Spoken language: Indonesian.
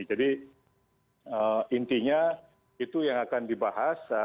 jadi intinya itu yang akan dibahas